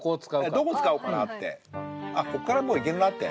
どこ使おうかなって。